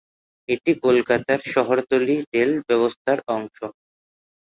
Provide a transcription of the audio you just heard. এটি কলকাতা শহরতলি রেল ব্যবস্থার অংশ।